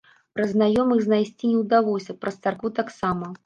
Праз знаёмых знайсці не ўдалося, праз царкву таксама.